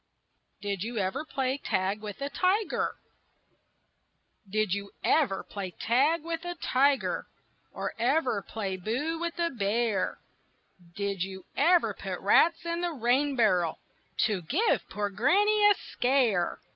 DID YOU EVER PLAY TAG WITH A TIGER? Did you ever play tag with a tiger, Or ever play boo with a bear; Did you ever put rats in the rain barrel To give poor old Granny a scare?